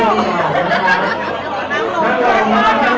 โปรดติดตามต่อไป